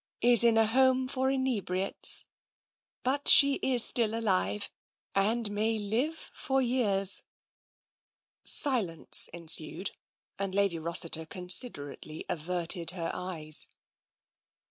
— is in a home for inebriates. But she is still alive, and may live for years." TENSION 133 Silence ensued, and Lady Rossiter considerately averted her eyes.